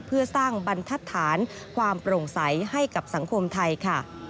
เพื่อสร้างบรรทัศนความโปร่งใสให้กับสังคมไทยค่ะ